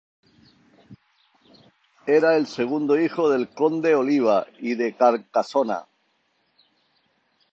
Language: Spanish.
Era el segundo hijo del Conde Oliba I de Carcasona.